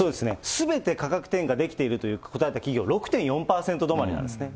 すべて価格転嫁できていると答えた企業、６．４％止まりなんですね。